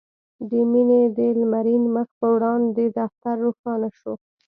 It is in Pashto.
د مينې د لمرين مخ په وړانګو دفتر روښانه شو.